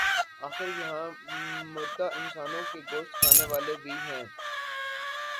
آخر یہاں مردہ انسانوں کے گوشت کھانے والے بھی ہیں۔